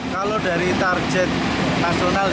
kalau dari target nasional